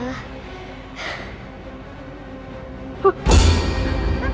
pak pak pak